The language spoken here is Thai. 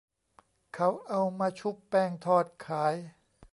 เขาเอามาชุบแป้งทอดขาย